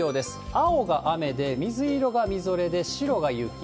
青が雨で、水色がみぞれで白が雪。